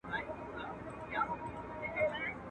دېوالونه سوري كول كله كمال دئ.